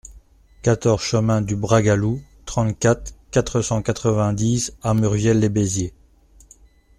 quatorze chemin du Bragalou, trente-quatre, quatre cent quatre-vingt-dix à Murviel-lès-Béziers